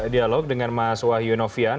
dialog dengan mas wahyu novian